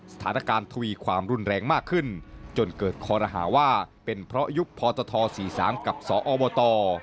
ทวีความรุนแรงมากขึ้นจนเกิดคอรหาว่าเป็นเพราะยุคพตท๔๓กับสอบต